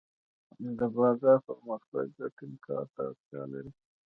د بازار پرمختګ د ټیم کار ته اړتیا لري.